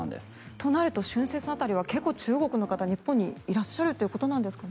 となると春節辺りは結構、中国の方日本にいらっしゃるということなんですかね。